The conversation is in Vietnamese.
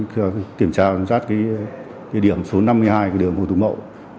và kiểm tra giám sát cái điểm số năm mươi hai của đường hồ tùng mậu